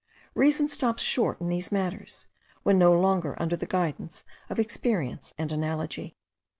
Reason stops short in these matters, when no longer under the guidance of experience and analogy.